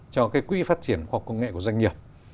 cho cái quỹ phát triển khoa học công nghệ của doanh nghiệp